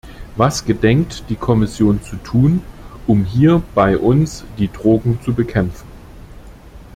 Was gedenkt die Kommission zu tun, um hier bei uns die Drogen zu bekämpfen?